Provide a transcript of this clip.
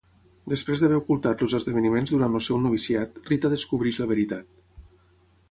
Després d'haver ocultat els esdeveniments durant el seu noviciat, Rita descobreix la veritat.